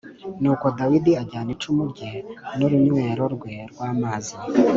Nuko Dawidi ajyana icumu rye n’urunywero rwe rw’amazi